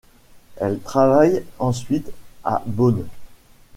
Elle travaille ensuite à Bonn.